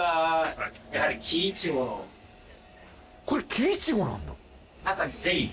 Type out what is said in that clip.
これ木苺なんだ。